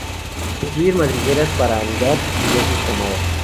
Construyen madrigueras para anidar y criar sus camadas.